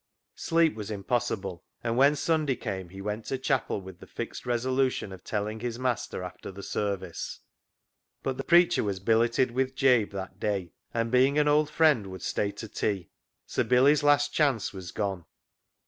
Sleep was impossible, and when Sunday came he went to chapel with the fixed resolu tion of telling his master after the service. But the preacher was billeted with Jabe that day, and being an old friend would stay to tea. So Billy's last chance was gone.